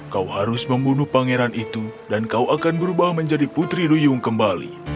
kau harus membunuh pangeran itu dan kau akan berubah menjadi putri duyung kembali